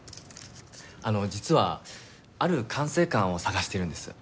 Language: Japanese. あの実はある管制官を探してるんです。